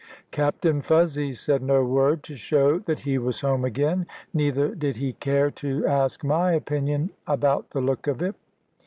Captain Fuzzy said no word, to show that he was home again; neither did he care to ask my opinion about the look of it.